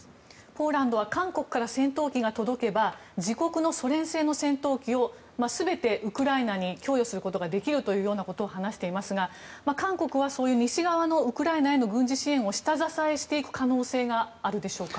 ポーランドは韓国から戦闘機が届けば自国のソ連製の戦闘機を全てウクライナに供与することができるということを話していますが韓国はそういう西側のウクライナへの軍事支援の下支えしていく可能性はあるでしょうか？